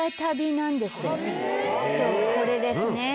そうこれですね。